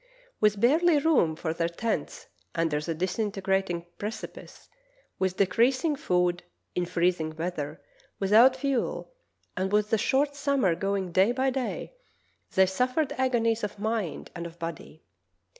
With barely room for their tents under the disin tegrating precipice, with decreasing food, in freezing weather, without fuel, and with the short summer go ing day by da}^ they suffered agonies of mind and of body.